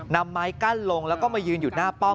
ไม้กั้นลงแล้วก็มายืนอยู่หน้าป้อม